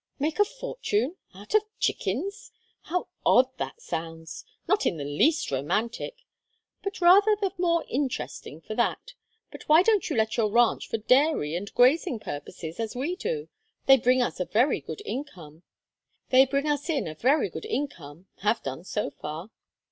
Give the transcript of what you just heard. "Make a fortune out of chickens! How odd that sounds! Not in the least romantic, but rather the more interesting for that. But why don't you let your ranch for dairy and grazing purposes, as we do? They bring us in a very good income have done, so far."